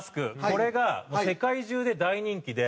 これが世界中で大人気で。